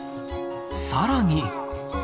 更に。